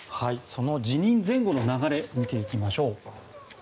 その辞任前後の流れを見ていきましょう。